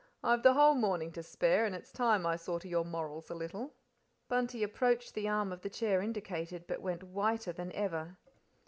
"I've the whole morning to spare, and it's time I saw to your morals a little." Bunty approached the arm of the chair indicated, but went whiter than ever.